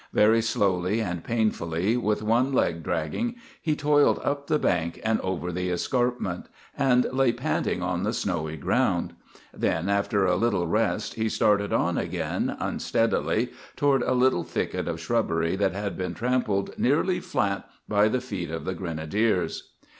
Very slowly and painfully, with one leg dragging, he toiled up the bank and over the escarpment, and lay panting on the snowy ground. Then, after a little rest, he started on again unsteadily toward a little thicket of shrubbery that had been trampled nearly flat by the feet of the grenadiers.